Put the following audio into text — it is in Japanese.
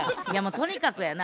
とにかくやな